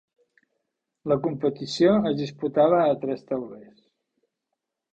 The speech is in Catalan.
La competició es disputava a tres taulers.